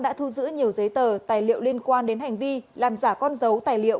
đã thu giữ nhiều giấy tờ tài liệu liên quan đến hành vi làm giả con dấu tài liệu